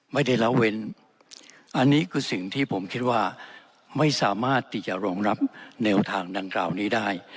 ไม่ได้ละเว้นอันนี้คือสิ่งที่ผมคิดว่าไม่สามารถที่จะรองรับแนวทางดังกล่าวนี้ได้